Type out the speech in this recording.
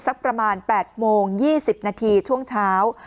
สักประมาณ๘โมง๒๐นาทีช่วงเช้า